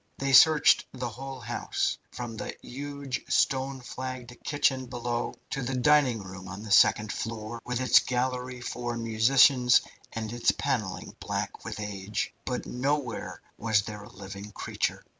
They searched the whole house, from the huge stone flagged kitchen below to the dining hall on the second floor, with its gallery for musicians, and its panelling black with age, but nowhere was there a living creature.